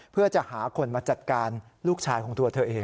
เพื่อจะหาคนมาจัดการลูกชายของตัวเธอเอง